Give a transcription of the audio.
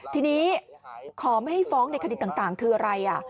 ทีนี้ขอไม่ให้ฟ้องในคดีต่างคืออะไร